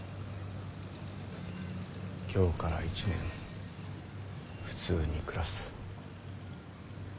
今日から１年普通に暮らす。